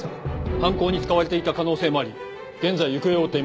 犯行に使われていた可能性もあり現在行方を追っています。